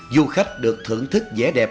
du khách được thưởng thức vẻ đẹp